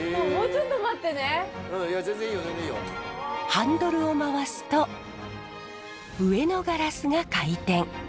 ハンドルを回すと上のガラスが回転。